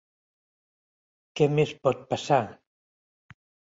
Què més pot passar?